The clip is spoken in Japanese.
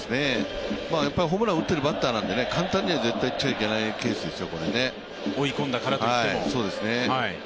ホームランを打ってるバッターなんで簡単には絶対いっちゃいけないケースですよ。